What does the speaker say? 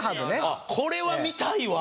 これは見たいわ。